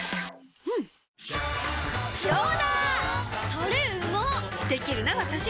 タレうまっできるなわたし！